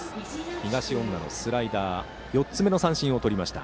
東恩納のスライダーで４つ目の三振をとりました。